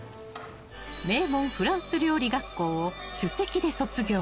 名門フランス料理学校を首席で卒業。